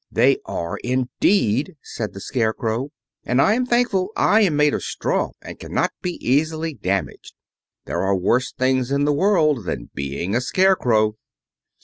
"They are, indeed," said the Scarecrow, "and I am thankful I am made of straw and cannot be easily damaged. There are worse things in the world than being a Scarecrow."